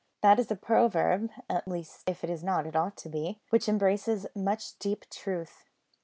That is a proverb (at least if it is not it ought to be) which embraces much deep truth.